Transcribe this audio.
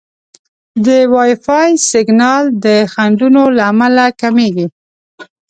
د وائی فای سیګنال د خنډونو له امله کمېږي.